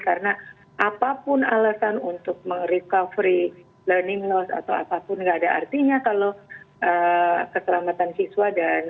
karena apapun alasan untuk recovery learning loss atau apapun tidak ada artinya kalau keselamatan siswa dan